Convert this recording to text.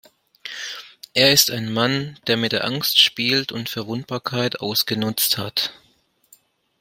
Er ist ein Mann, der mit der Angst spielt und Verwundbarkeit ausgenutzt hat.